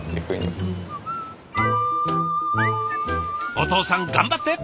お父さん頑張って！